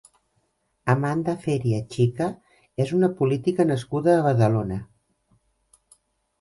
Amanda Feria Chica és una política nascuda a Badalona.